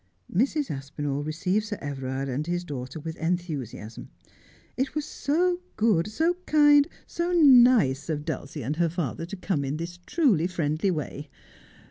Mrs. Aspinall received Sir Everard and his daughter with enthusiasm — it was so good, so kind, so nice of Dulcie and her 7G Just as I Am. father to come in this truly friendly way.